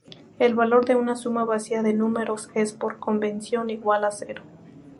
El valor de una suma vacía de números es -por convención- igual a cero.